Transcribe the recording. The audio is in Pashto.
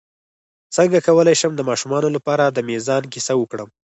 څنګه کولی شم د ماشومانو لپاره د میزان کیسه وکړم